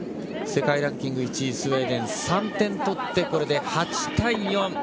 世界ランキング１位・スウェーデン、３点とってこれで８対４。